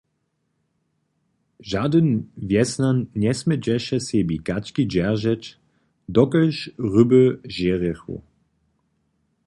Žadyn wjesnjan njesmědźeše sebi kački dźeržeć, dokelž ryby žerjechu.